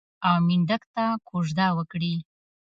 او منډک ته کوژده وکړي.